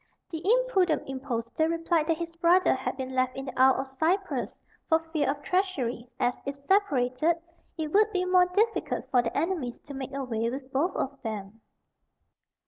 The impudent impostor replied that his brother had been left in the Isle of Cyprus, for fear of treachery, as, if separated, it would be more difficult for their enemies to make away with both of them.